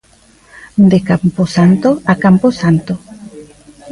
De camposanto a camposanto.